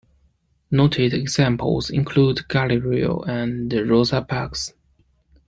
Noted examples include Galileo and Rosa Parks.